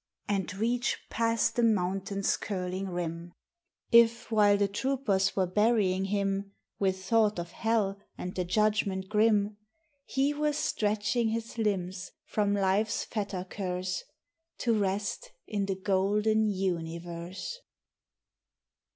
83 And reach past the mountains curling rim ;— If, while the troopers were burying him, With thought of hell and the judgment grim, He were stretching his limbs from life's fetter curse To rest in the golden universe